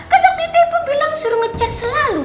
kan nanti ibu bilang suruh ngecek selalu